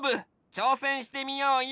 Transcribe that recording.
ちょうせんしてみようよ！